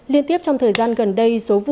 liên tiếp trong thời gian gần đây